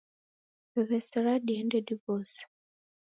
Wesera diende diwose